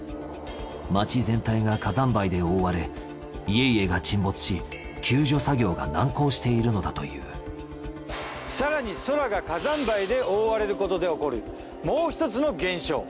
街全体が火山灰で覆われ家々が沈没し救助作業が難航しているのだという更に空が火山灰で覆われることで起こるもう１つの現象。